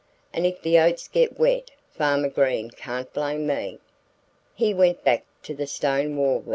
"And if the oats get wet Farmer Green can't blame me." He went back to the stone wall then.